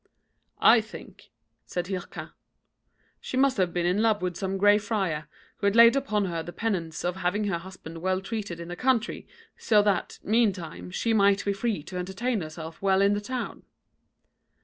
"I think," said Hircan, "she must have been in love with some Grey Friar, who had laid upon her the penance of having her husband well treated in the country, so that, meantime, she might be free to entertain herself well in the town."